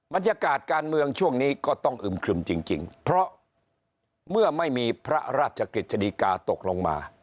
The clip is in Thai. บรรยากาศการเมืองช่วงนี้ก็ต้องอึมครึมจริงเพราะเมื่อไม่มีพระราชกฤษฎีกาตกลงมา